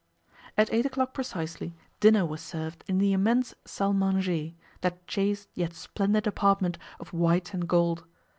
At eight o'clock precisely dinner was served in the immense salle manger, that chaste yet splendid apartment of white and gold.